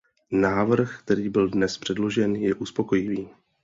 Návrh, který byl dnes předložen, je uspokojivý.